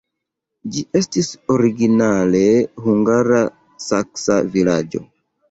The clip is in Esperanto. Ĝi estis originale hungara-saksa vilaĝo.